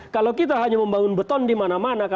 kalau kita hanya membangun beton di mana mana